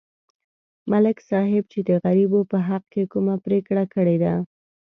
ملک صاحب چې د غریبو په حق کې کومه پرېکړه کړې ده